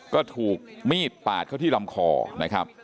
ก็ถูกมีดปาดเข้าที่ลำคอนะครับ